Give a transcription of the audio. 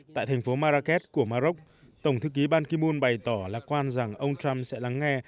tại thành phố marrakesh của maroc tổng thư ký ban ki moon bày tỏ lạc quan rằng ông trump sẽ lắng nghe